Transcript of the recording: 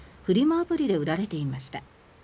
アプリで売られていました。